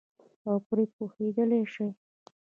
او پرې پوهېدلای شي.